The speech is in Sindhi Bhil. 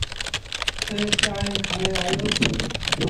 ائيٚݩ چآنه کڻي آيوس